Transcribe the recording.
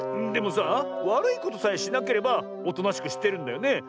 でもさあわるいことさえしなければおとなしくしてるんだよね？